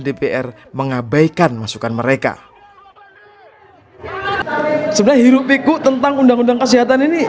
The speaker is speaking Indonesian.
dpr mengabaikan masukan mereka sebenarnya hirup pikuk tentang undang undang kesehatan ini